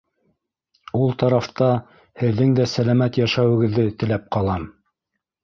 Ул тарафта һеҙҙең дә сәләмәт йәшәүегеҙҙе теләп ҡалам.